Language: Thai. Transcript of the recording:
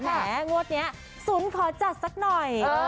แหมงวดเนี่ยสุนขอจัดสักหน่อย